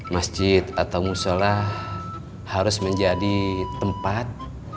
masjid atau musola harus menjadi tempat